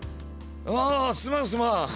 あすまんすまん。